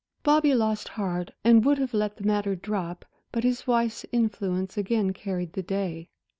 Bobby lost heart and would have let the matter drop, but his wife's influence again carried the day.